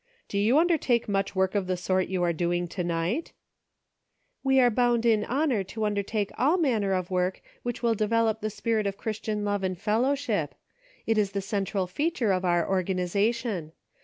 Do you undertake much work of the sort you are doing to night ?"" We are bound in honor to undertake all man ner of work which will develop the spirit of Chris tian love and fellowship ; it is the central feature of our organization.